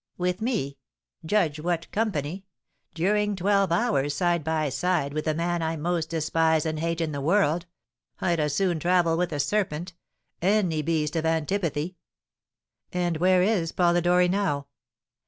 "With me: judge what company! During twelve hours side by side with the man I most despise and hate in the world, I'd as soon travel with a serpent any beast of antipathy!" "And where is Polidori now?"